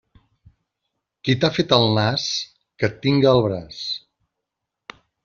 Qui t'ha fet el nas, que et tinga al braç.